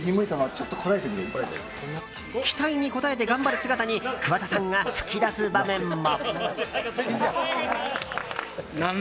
期待に応えて頑張る姿に桑田さんが吹き出す場面も。